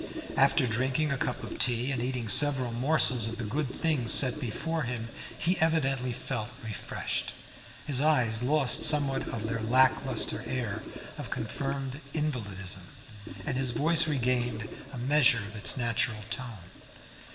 After drinking a cup of tea and eating several morsels of the good things set before him he evidently felt refreshed. His eyes lost somewhat of their lack lustre air of confirmed invalidism, and his voice regained a measure of its natural tone.